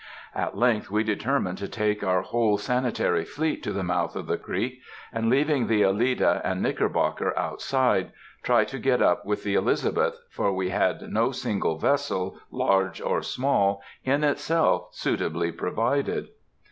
At length we determined to take our whole Sanitary fleet to the mouth of the creek, and, leaving the Alida and Knickerbocker outside, try to get up with the Elizabeth, for we had no single vessel, large or small, in itself, suitably provided.